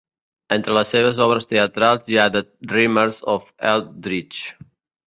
Entre les seves obres teatrals hi ha "The Rimers of Eldritch".